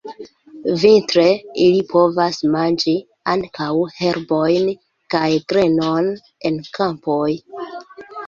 Vintre ili povas manĝi ankaŭ herbojn kaj grenon en kampoj.